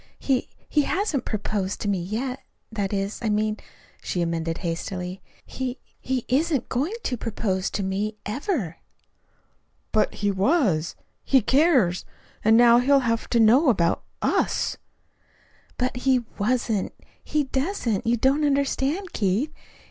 He he hasn't proposed to me yet. That is, I mean," she amended hastily, "he he isn't going to propose to me ever." "But he was. He cares. And now he'll have to know about us." "But he wasn't he doesn't. You don't understand, Keith.